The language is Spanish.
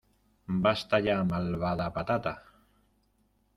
¡ Basta ya, malvada patata!